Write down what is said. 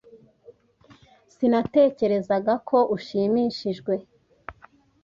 Sinatekerezaga ko ushimishijwe.